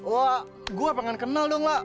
wah gue pengen kenal dong lah